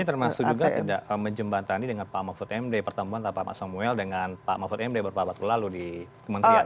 tapi termasuk juga tidak menjembatani dengan pak mahfud md pertemuan pak samuel dengan pak mahfud md beberapa waktu lalu di kementerian